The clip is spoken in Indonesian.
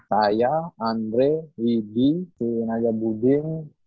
saya andre widi si naja buding